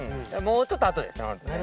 もうちょっとあとですね